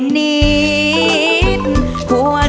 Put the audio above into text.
เธอไม่เคยโรศึกอะไร